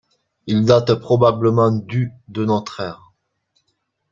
Il date probablement du de notre ère.